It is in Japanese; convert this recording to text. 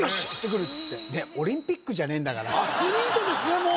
行ってくるっつってオリンピックじゃねえんだからアスリートですね